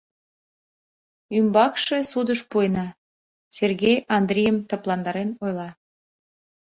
Ӱмбакше судыш пуэна, — Сергей Андрийым тыпландарен ойла.